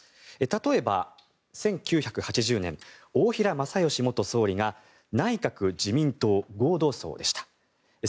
例えば、１９８０年大平正芳元総理が内閣・自民党合同葬でした。